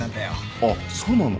あっそうなの？